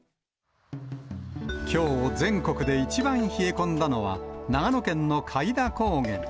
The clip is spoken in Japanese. きょう、全国で一番冷え込んだのは、長野県の開田高原。